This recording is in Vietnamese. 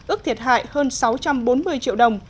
ước thiệt hại hơn sáu trăm bốn mươi triệu đồng